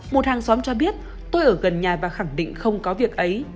một hàng xóm cho biết tôi ở gần nhà và khẳng định không có việc ấy